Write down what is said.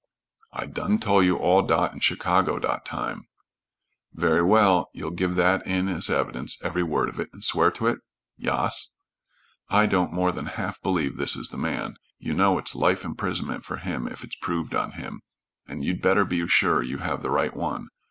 "I done tol' you all dot in Chicago dot time." "Very well. You'll give that in as evidence, every word of it, and swear to it?" "Yas." "I don't more than half believe this is the man. You know it's life imprisonment for him if it's proved on him, and you'd better be sure you have the right one.